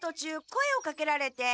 声をかけられて。